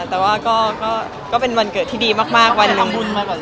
แต่ว่าก็เป็นวันเกิดที่ดีมากวันนึง